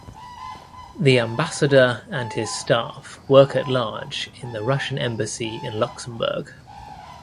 The ambassador and his staff work at large in the Russian embassy in Luxembourg.